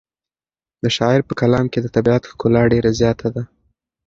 د شاعر په کلام کې د طبیعت ښکلا ډېره زیاته ده.